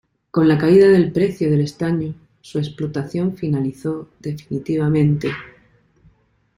Con la caída del precio del estaño, su explotación finalizó definitivamente.